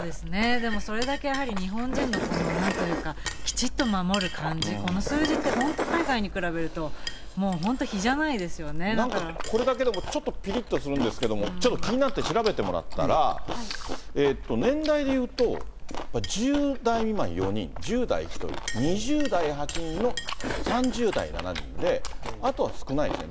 でもそれだけやはり日本人のなんというか、きちっと守る感じ、この数字って、本当に海外に比べると、もう本当、比じゃないですよね、なんかこれだけでもぴりっとするんですけれども、ちょっと気になって調べてもらったら、年代でいうと、１０代未満４人、１０代１人、２０代８人の、３０代７人で、あとは少ないんですよね。